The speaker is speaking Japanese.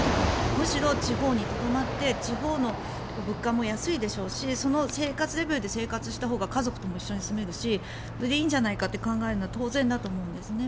むしろ地方にとどまって地方の物価も安いでしょうしその生活レベルで生活したほうが家族とも一緒に住めるしそれでいいんじゃないかって考えるのは当然だと思うんです。